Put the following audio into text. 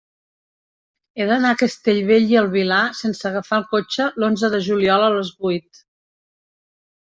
He d'anar a Castellbell i el Vilar sense agafar el cotxe l'onze de juliol a les vuit.